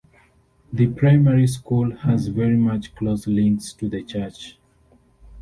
The primary school has very close links to the church.